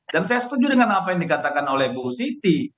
dan saya setuju dengan apa yang dikatakan oleh bu siti